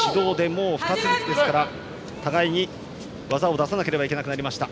もう２つずつですから互いに技を出さなければいけなくなりました。